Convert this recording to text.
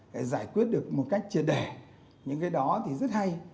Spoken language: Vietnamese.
phải giải quyết được một cách triệt đẻ những cái đó thì rất hay